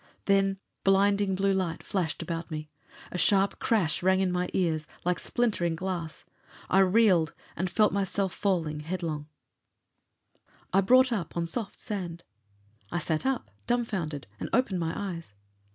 Then blinding blue light flashed about me. A sharp crash rang in my ears, like splintering glass. I reeled, and felt myself falling headlong. I brought up on soft sand. I sat up, dumbfounded, and opened my eyes.